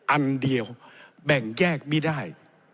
อันเดียวแบ่งแยกไม่ได้